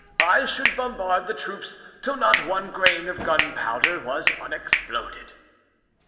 I should bombard the troops till not one grain of gunpowder was unexploded."